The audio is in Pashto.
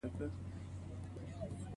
نو هغه به ټول عمر دغه دوايانې خوري